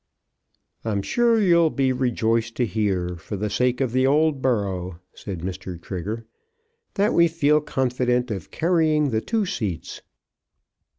"I'm sure you'll be rejoiced to hear, for the sake of the old borough," said Mr. Trigger, "that we feel confident of carrying the two seats."